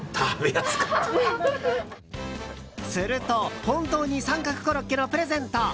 すると本当に三角コロッケのプレゼント。